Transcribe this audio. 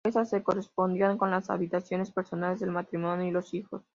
Estas se correspondían con las habitaciones personales del matrimonio y los hijos.